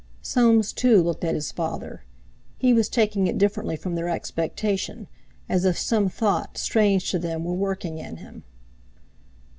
Soames, too, looked at his father. He was taking it differently from their expectation, as if some thought, strange to them, were working in him.